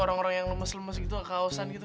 orang orang yang lemes lemes gitu kaosan gitu